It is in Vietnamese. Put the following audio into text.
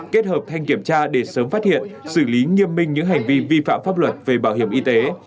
kết hợp thanh kiểm tra để sớm phát hiện xử lý nghiêm minh những hành vi vi phạm pháp luật về bảo hiểm y tế